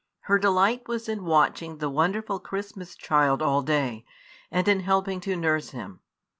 Her delight was in watching the wonderful Christmas child all day, and in helping to nurse him.